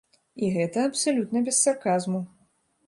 І гэта абсалютна без сарказму.